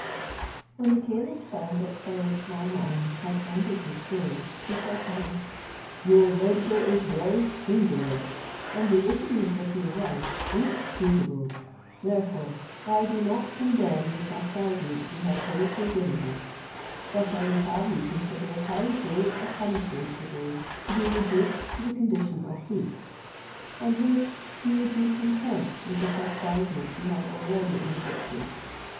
When the caliph found that Syed Naomaun had ended his story, he said to him, "Your adventure is very singular, and the wickedness of your wife inexcusable; therefore I do not condemn the chastisement you have hitherto given her; but I would have you consider how great a punishment it is to be reduced to the condition of beasts, and wish you would be content with the chastisement you have already inflicted.